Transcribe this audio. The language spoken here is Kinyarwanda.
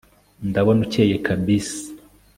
ndabona ucyeye kabisa